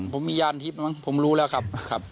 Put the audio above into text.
ผมมียานที่ผมรู้แล้วครับ